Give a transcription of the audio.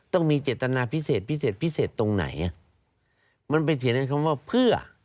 ต้องมีเจตนาพิเศษพิเศษพิเศษพิเศษตรงไหนมันไปเถียงในคำว่าเพื่อ